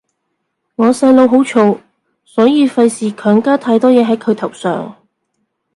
我細佬好燥，所以費事強加太多嘢係佢頭上